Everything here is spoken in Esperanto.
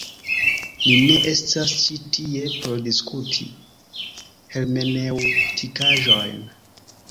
Ni ne estas ĉi tie por diskuti hermeneŭtikaĵojn!